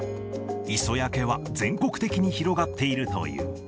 磯焼けは全国的に広がっているという。